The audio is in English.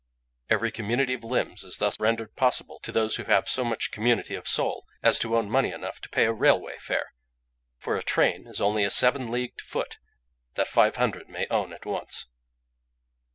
Even community of limbs is thus rendered possible to those who have so much community of soul as to own money enough to pay a railway fare; for a train is only a seven leagued foot that five hundred may own at once."